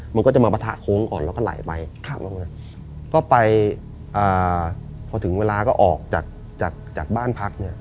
มันก็จะมาปะทะโค้งก่อนแล้วก็ไหลไปก็ไปพอถึงเวลาก็ออกจากจากบ้านพักเนี่ย